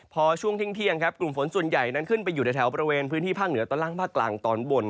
พอช่วงเที่ยงครับกลุ่มฝนส่วนใหญ่นั้นขึ้นไปอยู่ในแถวบริเวณพื้นที่ภาคเหนือตอนล่างภาคกลางตอนบน